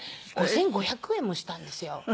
５５００円もしたんですよ。